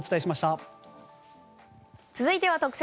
続いて特選！